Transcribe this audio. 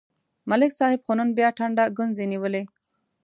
ملک صاحب خو نن بیا ټنډه گونځې نیولې